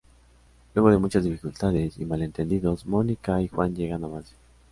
Luego de muchas dificultades y malentendidos, Mónica y Juan llegan a amarse.